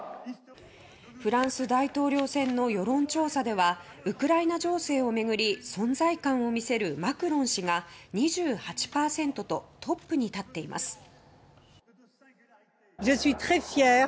フランス大統領選の世論調査ではウクライナ情勢を巡り存在感を見せるマクロン氏が２８％とトップに立っています。